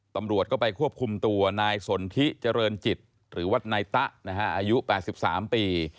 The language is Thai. ตำรวจก็ไปควบคุมตัวนายสนทิเจริญจิตหรือว่านายตะอายุ๘๓ปี